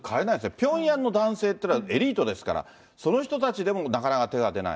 ピョンヤンの男性ってのはエリートですから、その人たちでもなかなか手が出ない。